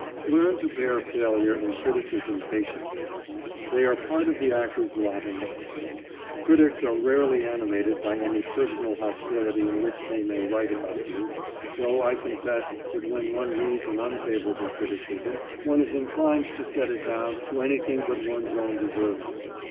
Learn to bear failure and criticism patiently. They are part of the actor's lot in life. Critics are rarely animated by any personal hostility in what they may write about you, though I confess that when one reads an unfavourable criticism, one is inclined to set it down to anything but one's own deserving.